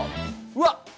うわっ！